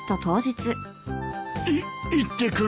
い行ってくる。